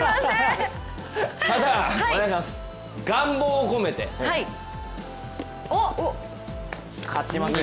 ただ、願望を込めて勝ちますよ。